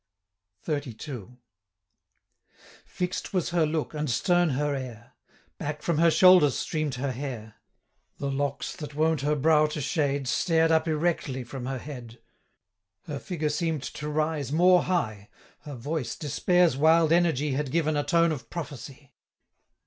XXXII. Fix'd was her look, and stern her air: 585 Back from her shoulders stream'd her hair; The locks, that wont her brow to shade, Stared up erectly from her head; Her figure seem'd to rise more high; Her voice, despair's wild energy 590 Had given a tone of prophecy.